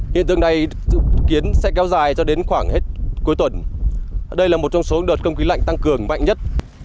hiện tượng này dự kiến sẽ kéo dài cho đến khoảng hết cuối tuần đây là một trong số đợt không khí lạnh tăng cường mạnh nhất